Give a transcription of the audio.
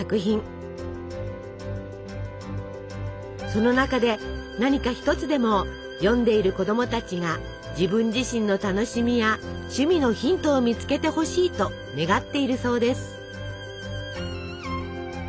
その中で何か一つでも読んでいる子供たちが自分自身の楽しみや趣味のヒントを見つけてほしいと願っているそうです。